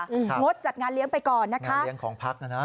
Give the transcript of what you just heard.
งดจัดงานเลี้ยงไปก่อนนะคะงานเลี้ยงของพักน่ะนะ